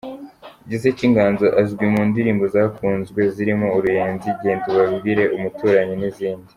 Gisa cy’Inganzo azwi mu ndirimbo zakunzwe zirimo ‘Uruyenzi’, ‘Genda ubabwire’, ‘Umuturanyi’ n’izindi.